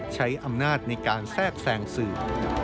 ใช้อำนาจในการแทรกแทรงสื่อ